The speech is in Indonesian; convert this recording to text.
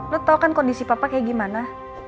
lo tau kan kondisi papa kayak gimana